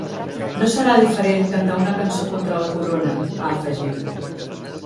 No serà diferent cantar una cançó contra la corona, ha afegit.